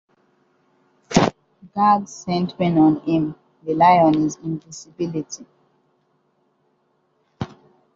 Gags centering on him, rely on his invisibility.